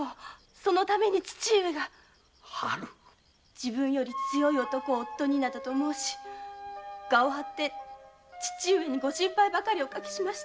自分より強い男を夫になどと申し我を張って父上にご心配ばかりおかけしました。